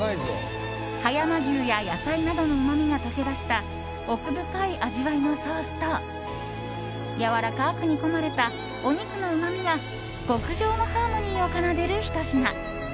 葉山牛や野菜などのうまみが溶け出した奥深い味わいのソースとやわらかく煮込まれたお肉のうまみが極上のハーモニーを奏でるひと品。